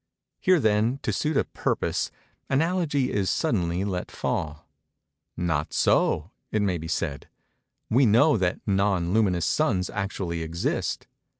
Here, then, to suit a purpose, analogy is suddenly let fall. "Not so," it may be said—"we know that non luminous suns actually exist."